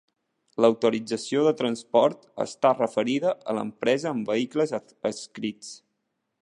L'autorització de transport està referida a l'empresa amb vehicles adscrits.